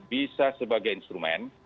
bisa sebagai instrumen